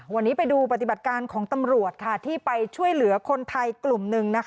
วันนี้ไปดูปฏิบัติการของตำรวจที่ไปช่วยเหลือคนไทยกลุ่มหนึ่ง